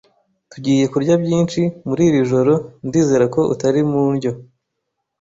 Tugiye kurya byinshi muri iri joro ndizera ko utari mu ndyo.